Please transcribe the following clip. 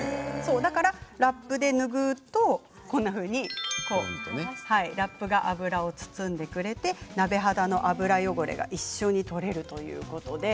だからラップで拭うとこんなふうにラップが油を包んでくれて鍋肌の油汚れが一緒に取れるということなんです。